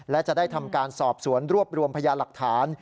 และจะได้ทำการสอบสวนรวบรวมพยาหลักฐาน